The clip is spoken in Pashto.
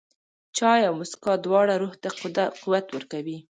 چای او موسکا، دواړه روح ته قوت ورکوي.